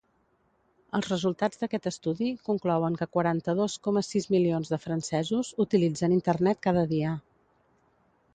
Els resultats d'aquest estudi conclouen que quaranta-dos coma sis milions de francesos utilitzen Internet cada dia.